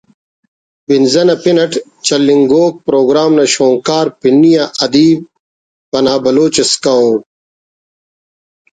”بنزہ“ نا پن اٹ چلینگوک پروگرام نا شونکار پنی آ ادیب پناہ بلوچ ئسکہ و